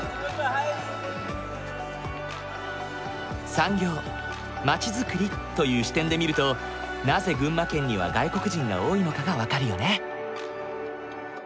産業町づくりという視点で見るとなぜ群馬県には外国人が多いのかが分かるよね。